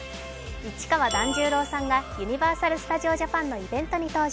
市川團十郎さんがユニバーサル・スタジオ・ジャパンのイベントに登場。